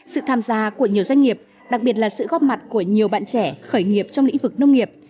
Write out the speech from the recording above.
sự tham gia của nhiều doanh nghiệp đặc biệt là sự góp mặt của nhiều bạn trẻ khởi nghiệp trong lĩnh vực nông nghiệp